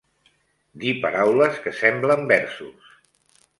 Dir paraules que semblen versos